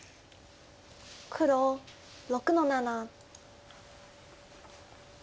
黒６の七。